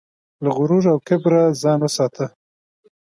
له غرور او کبره ځان وساته.